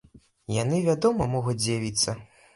Яны, вядома, могуць з'явіцца.